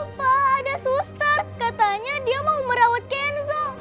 itu pak ada suster katanya dia mau merawat kenzo